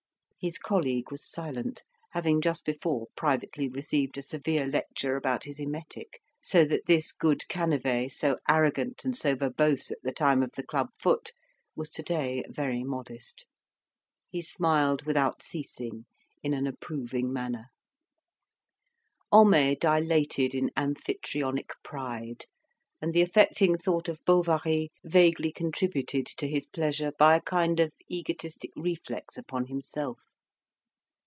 His colleague was silent, having just before privately received a severe lecture about his emetic, so that this good Canivet, so arrogant and so verbose at the time of the clubfoot, was to day very modest. He smiled without ceasing in an approving manner. Homais dilated in Amphytrionic pride, and the affecting thought of Bovary vaguely contributed to his pleasure by a kind of egotistic reflex upon himself.